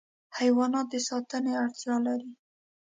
حیوانات د ساتنې اړتیا لري.